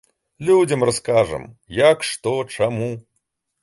Людзям раскажам, як, што, чаму.